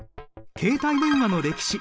携帯電話の歴史